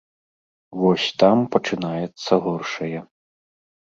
Вось там пачынаецца горшае.